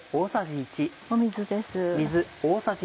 水です。